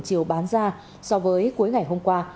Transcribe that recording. chiều bán ra so với cuối ngày hôm qua